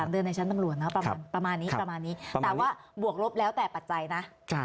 เดินในชั้นตำรวจนะประมาณนี้ประมาณนี้แต่ว่าบวกลบแล้วแต่ปัจจัยนะ